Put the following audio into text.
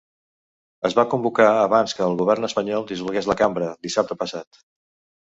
Es va convocar abans que el govern espanyol dissolgués la cambra, dissabte passat.